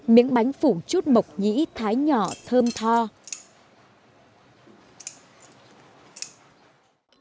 miếng bánh phủ chút mộc nhĩ thái nhỏ thơm thoa